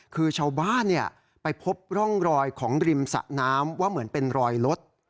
คือชาวบ้านไปพบร่องรอยของริมสะน้ำว่าเหมือนเป็นรอยรถ